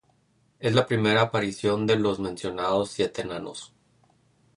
Es la primera aparición de los mencionados siete enanos.